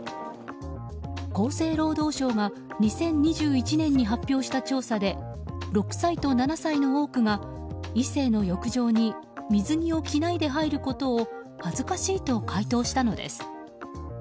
厚生労働省が２０２１年に発表した調査で６歳と７歳の多くが異性の浴場に水着を着ないで入ることを恥ずかしいと回答したのです。